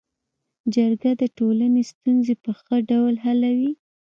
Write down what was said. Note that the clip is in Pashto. جرګه د ټولني ستونزي په ښه ډول حلوي.